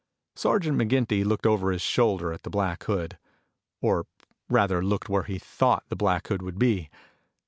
Sergeant McGinty looked over his shoulder at the Black Hood or rather looked where he thought the Black Hood would be.